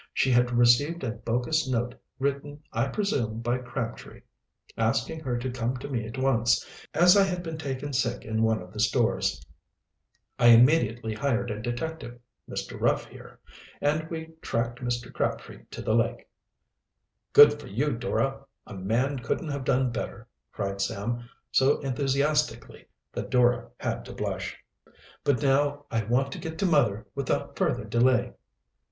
She had received a bogus note, written I presume by Crabtree, asking her to come to me at once, as I had been taken sick in one of the stores. I immediately hired a detective, Mr. Ruff here, and we tracked Mr. Crabtree to the lake." "Good for you, Dora, a man couldn't have done better," cried Sam so enthusiastically that Dora had to blush. "But now I want to get to mother without further delay."